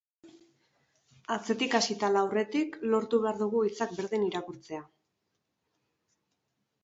Atzetik hasita ala aurretik, lortu behar dugu hitzak berdin irakurtzea.